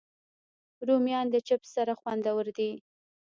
رومیان د چپس سره خوندور دي